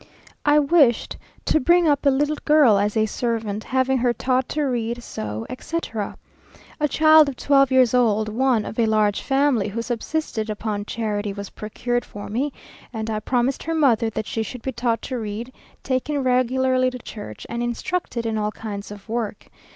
I wished to bring up a little girl as a servant, having her taught to read, sew, etc. A child of twelve years old, one of a large family, who subsisted upon charity, was procured for me; and I promised her mother that she should be taught to read, taken regularly to church, and instructed in all kinds of work.